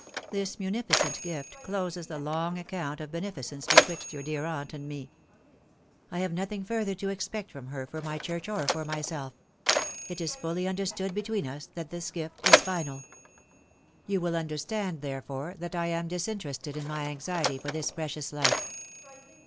This munificent gift closes the long account of beneficence betwixt your dear aunt and me. I have nothing further to expect from her for my Pamela changes her Mind. 295 church or for myself. It is fully understood between us that this gift is final You will understand, therefore, that I am disinterested in my anxiety for this precious life.